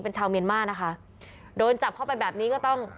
เป็นชาวเมียนมานะคะโดนจับเข้าไปแบบนี้ก็ต้อง